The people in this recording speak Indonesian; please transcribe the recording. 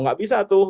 nggak bisa tuh